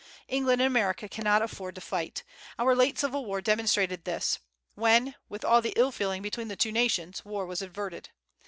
England and America cannot afford to fight. Our late Civil War demonstrated this, when, with all the ill feeling between the two nations, war was averted.